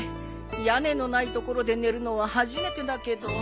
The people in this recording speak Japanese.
屋根のない所で寝るのは初めてだけど。